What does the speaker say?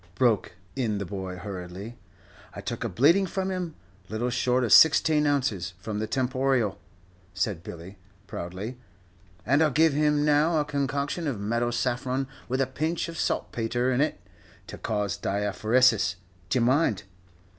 broke in the boy, hurriedly. "I took a bleeding from him, little short of sixteen ounces, from the temporial," said Billy, proudly, "and I'll give him now a concoction of meadow saffron with a pinch of saltpetre in it, to cause diaphoresis, d'ye mind?